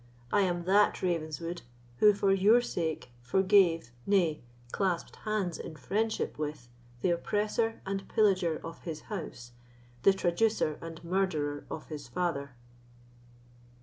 I am that Ravenswood who, for your sake, forgave, nay, clasped hands in friendship with, the oppressor and pillager of his house, the traducer and murderer of his father."